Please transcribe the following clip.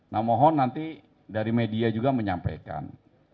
nah mohon nanti dari media juga menyampaikan